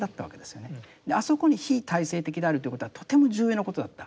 あそこに非体制的であるということはとても重要なことだった。